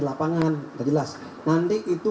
lapangan udah jelas nanti itu